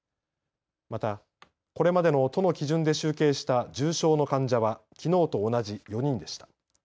またこれまでの都の基準で集計した重症の患者はきのうと同じ４人でした。